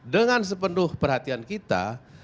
dengan sepenuh perhatian kita